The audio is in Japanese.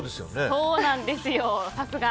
そうなんですよ、さすが。